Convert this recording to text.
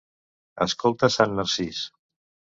Escolta Sant Narcís.